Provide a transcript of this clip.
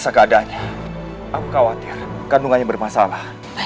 jika saya membuduh ayah biasanya akan memburukannya